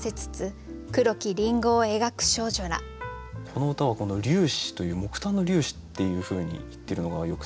この歌はこの「粒子」という「木炭の粒子」っていうふうに言ってるのがよくて。